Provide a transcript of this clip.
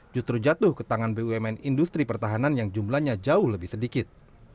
justru jatuh ke tangan bumn industri pertahanan yang jumlahnya jauh lebih sedikit